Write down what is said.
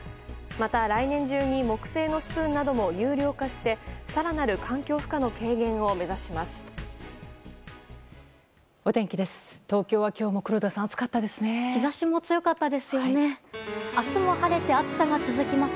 また来年中に木製のスプーンなども有料化して更なる環境負荷の軽減を目指します。